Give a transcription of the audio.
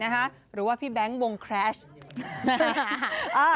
หรือว่าพี่แบงค์วงแครช